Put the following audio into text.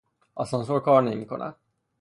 آسانسور کار نمیکند.